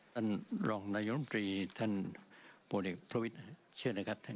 ท่านรองนายนมตรีท่านบัวเด็กพระวิทย์เชื่อนะครับท่าน